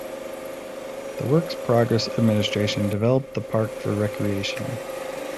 The Works Progress Administration developed the park for recreation.